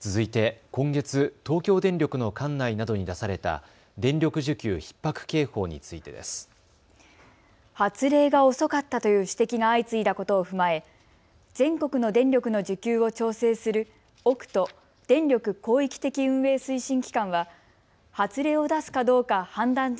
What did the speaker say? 続いて今月、東京電力の管内などに出された電力需給ひっ迫警報についてです。発令が遅かったという指摘が相次いだことを踏まえ全国の電力の需給を調整するオクト・電力広域的運営推進機関は発令を出すかどうか判断